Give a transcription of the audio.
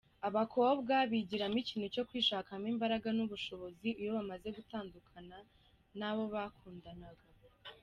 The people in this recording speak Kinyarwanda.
Abakobwa bigiramo ikintu cyo kwishakamo imbaraga n’ubushobozi iyo bamaze gutandukana n’abo bakundanaga.